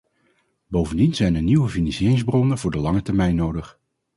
Bovendien zijn er nieuwe financieringsbronnen voor de lange termijn nodig.